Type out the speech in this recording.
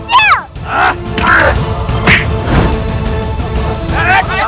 aku bukan anak kecil